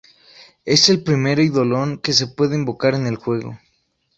Es el primer Eidolon que se puede invocar en el juego.